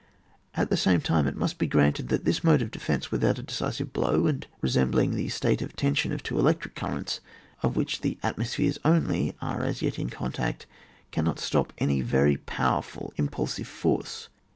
At the same time it must be granted that this mode of defence, without a decisive blow, and resembling the state of tension of two electric currents, of which the atmospheres only are as yet in contact, cannot stop any very powerful impulsive force.